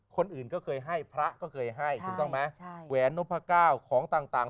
คนอื่นก็เคยให้พระก็เคยให้ถูกต้องไหมใช่แหวนนพก้าวของต่าง